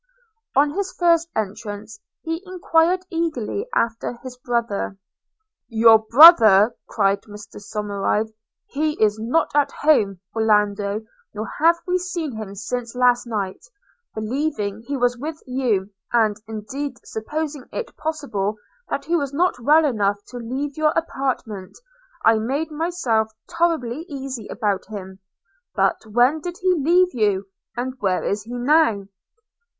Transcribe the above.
On his first entrance, he enquired eagerly after his brother. – 'Your brother!' cried Mr Somerive; 'he is not at home, Orlando, nor have we seen him since last night: – believing he was with you, and indeed supposing it possible that he was not well enough to leave your apartment, I made myself tolerably easy about him. – But when did he leave you? and where is he now?'